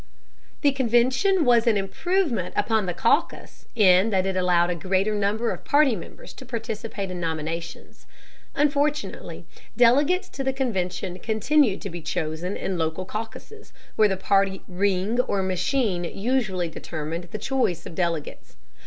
The convention was an improvement upon the caucus in that it allowed a greater number of party members to participate in nominations. Unfortunately, delegates to the convention continued to be chosen in local caucuses, where the party "ring" or machine usually determined the choice of delegates.